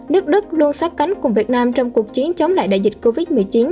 nước đức luôn sát cánh cùng việt nam trong cuộc chiến chống lại đại dịch covid một mươi chín